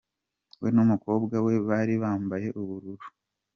We n'umukobwa we bari bambaye ubururu.